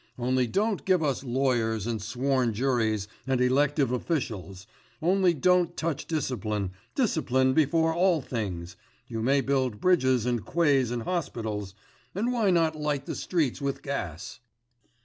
Only don't give us lawyers and sworn juries and elective officials ... only don't touch discipline, discipline before all things you may build bridges, and quays, and hospitals, and why not light the streets with gas?